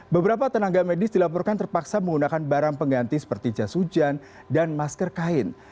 beberapa tenaga medis dilaporkan terpaksa menggunakan barang pengganti seperti jas hujan dan masker kain